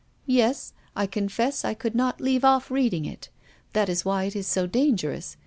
"Yes. I confess I could not leave off reading it. That is why it is so dangerous.